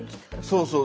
そうそう。